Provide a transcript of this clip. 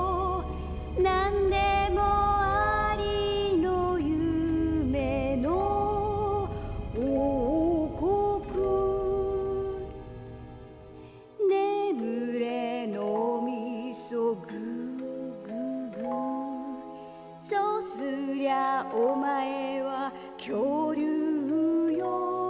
なんでもありのゆめのおうこくねむれのうみそグーグーグーそうすりゃおまえはきょうりゅうよ